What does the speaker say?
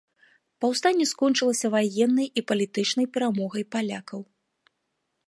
Паўстанне скончылася ваеннай і палітычнай перамогай палякаў.